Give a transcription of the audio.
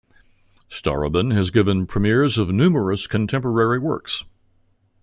Starobin has given premieres of numerous contemporary works.